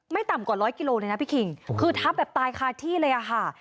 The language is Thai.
ต่ำกว่าร้อยกิโลเลยนะพี่คิงคือทับแบบตายคาที่เลยอะค่ะ